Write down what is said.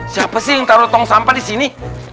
siapa sih yang taruh tong sampah di sini